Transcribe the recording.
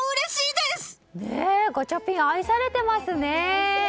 ガチャピン、愛されてますね。